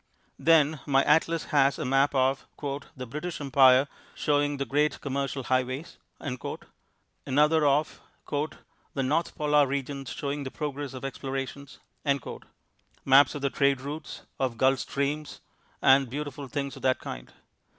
Then my atlas has a map of "The British Empire showing the great commercial highways"; another of "The North Polar regions showing the progress of explorations"; maps of the trade routes, of gulf streams, and beautiful things of that kind.